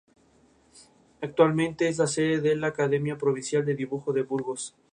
Ary Barroso fue el compositor más influyente de la era pre-bossa nova de Brasil.